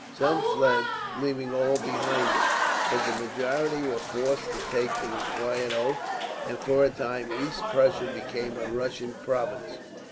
Some fled, leaving all behind them; but the majority were forced to take the required oath, and for a time East Prussia became a Russian province.